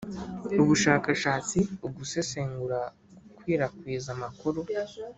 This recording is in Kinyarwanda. Ubushakashatsi ugusesengura gukwirakwiza amakuru